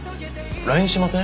ＬＩＮＥしません？